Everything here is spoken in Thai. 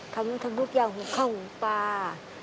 ทำรูปยาวข้าวหูปลา